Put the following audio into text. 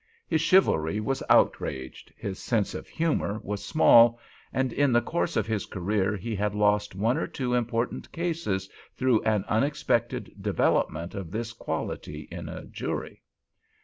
His chivalry was outraged; his sense of humor was small—and in the course of his career he had lost one or two important cases through an unexpected development of this quality in a jury.